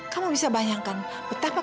kamu bisa banyak banyak mencari penikahan itu